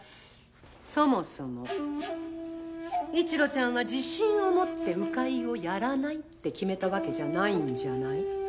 そもそも一路ちゃんは自信を持って鵜飼いをやらないって決めたわけじゃないんじゃない？